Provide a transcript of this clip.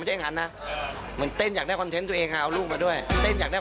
เราไม่ได้คอนเสิร์ฟเรา